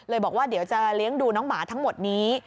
บอกว่าเดี๋ยวจะเลี้ยงดูน้องหมาทั้งหมดนี้